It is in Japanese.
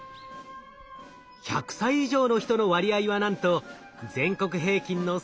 １００歳以上の人の割合はなんと全国平均の３倍以上！